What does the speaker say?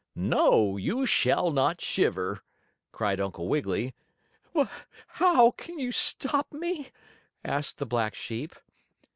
"No, you shall not shiver!" cried Uncle Wiggily. "How can you stop me?" asked the black sheep.